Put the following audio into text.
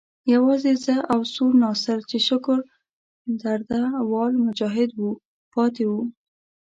یوازې زه او سور ناصر چې شکر درده وال مجاهد وو پاتې وو.